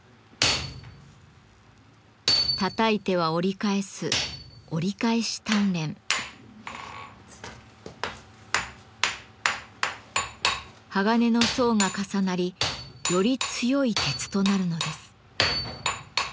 たたいては折り返す鋼の層が重なりより強い鉄となるのです。